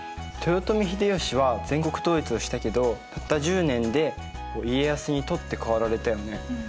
豊臣秀吉は全国統一をしたけどたった１０年で家康に取って代わられたよね。